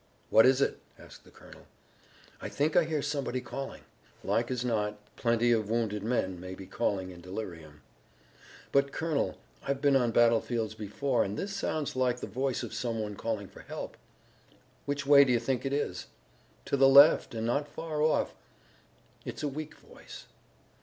"What is it?" asked the colonel. "I think I hear somebody calling." "Like as not. Plenty of wounded men may be calling in delirium." "But, colonel, I've been on battlefields before, and this sounds like the voice of some one calling for help." "Which way do you think it is?" "To the left and not far off. It's a weak voice."